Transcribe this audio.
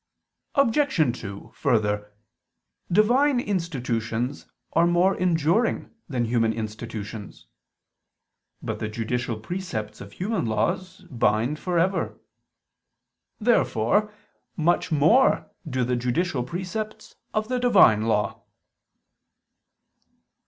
Obj. 2: Further, Divine institutions are more enduring than human institutions. But the judicial precepts of human laws bind for ever. Therefore much more do the judicial precepts of the Divine Law.